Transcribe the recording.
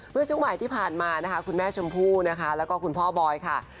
เมื่อช่วงใหม่ที่ผ่านมาคุณแม่ชมพูและคุณพ่อโบอยค่ะ